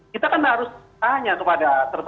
kita kan harus tanya kepada tersangkanya yang menerima